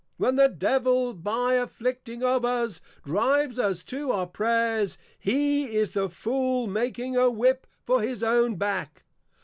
When the Devil by Afflicting of us, drives us to our Prayers, he is The Fool making a Whip for his own Back.